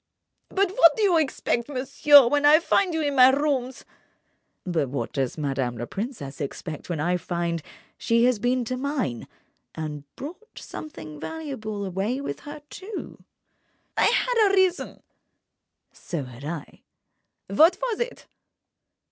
"But what do you expect, monsieur, when I find you in my rooms—?" "But what does madame la princesse expect when I find she had been to mine—and brought something valuable away with her, too!" "I had a reason—" "So had I." "What was it?"